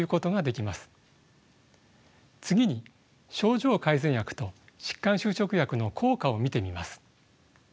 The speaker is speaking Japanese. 次に症状改善薬と疾患修飾薬の効果を見てみます。